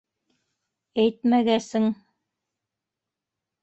Әйтмәгәсең...